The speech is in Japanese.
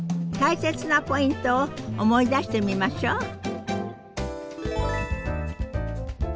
大切なポイントを思い出してみましょう。